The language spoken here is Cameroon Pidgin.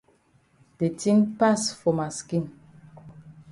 De tin pass for ma skin.